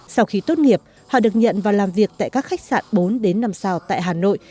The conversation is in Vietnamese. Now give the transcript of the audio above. sau khi tốt nghiệp họ được nhận và làm việc tại các khách sạn bốn năm sao tại hà nội